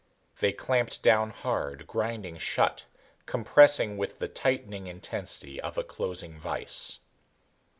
They clamped down hard, grinding shut, compressing with the tightening intensity of a closing vise.